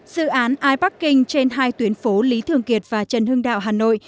dự án iparking trên hai tuyến phố lý thường kiệt và trần hưng đạo hà nội